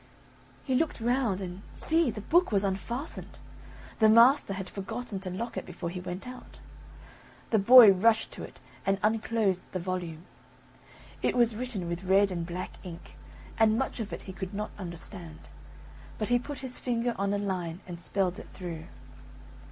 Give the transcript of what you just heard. He looked round, and, see! the book was unfastened; the master had forgotten to lock it before he went out. The boy rushed to it, and unclosed the volume. It was written with red and black ink, and much of it he could not understand; but he put his finger on a line and spelled it through.